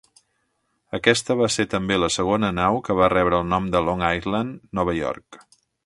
Aquesta va ser també la segona nau que va rebre el nom de Long Island, Nova York.